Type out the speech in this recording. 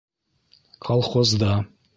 Колхозда.